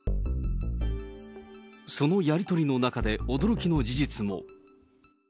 そのやり取りの中で驚きの事実も。